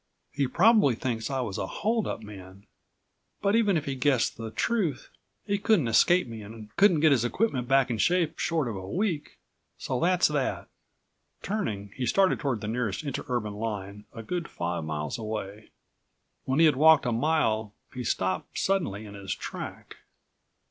He probably thinks I was a hold up man, but even if he guessed the truth he couldn't escape me and couldn't get his equipment back in shape short of a week, so that's that." Turning, he started toward the nearest interurban line a good five miles away. When he had walked a mile, he stopped suddenly in his track.